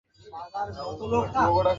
তবে এ বর্ণনাটি একান্তই গরীব শ্রেণীভুক্ত।